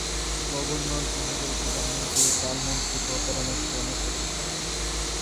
Governor-general প্রধানমন্ত্রী ও তার মন্ত্রিসভার পরামর্শ অনুসরণ করেন।